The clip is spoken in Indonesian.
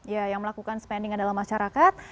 ya yang melakukan spending adalah masyarakat